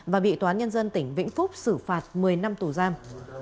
và bị toán nhân dân tỉnh vĩnh phúc xử phạt một mươi năm tù giam